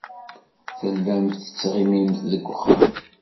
Tellamt tettɣimimt deg wexxam.